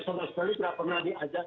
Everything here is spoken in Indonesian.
sama sekali tidak pernah diajak